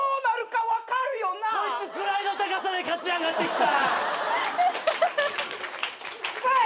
こいつ位の高さで勝ち上がってきた！